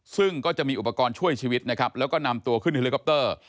ซึ่งก็จะมีอุปกรณ์ช่วยชีวิตนะครับแล้วก็นำตัวขึ้นเฮลิคอปเตอร์